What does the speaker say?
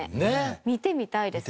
見てみたいですね。